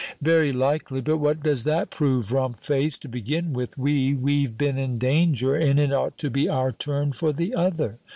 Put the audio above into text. "Very likely but what does that prove, rump face? To begin with, we, we've been in danger, and it ought to be our turn for the other.